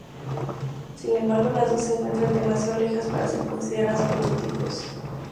Sin embargo, las dos se encuentran demasiado lejos para ser consideradas prototipos.